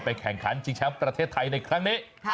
แข่งขันชิงแชมป์ประเทศไทยในครั้งนี้